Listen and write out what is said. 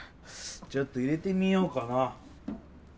ちょっと入れてみようかな。